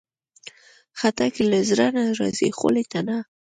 خټکی له زړه نه راځي، خولې ته نه.